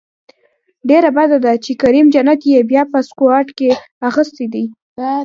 ډیره بده ده چې کریم جنت یې بیا په سکواډ کې اخیستی دی